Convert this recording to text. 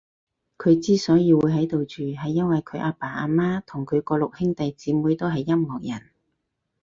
佢之所以會喺度住，係因為佢阿爸阿媽同佢個六兄弟姐妹都係音樂人